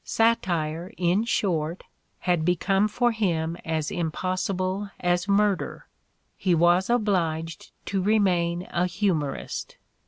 Satire, in short, had become for him as impossible as murder: he was obliged to remain a humorist.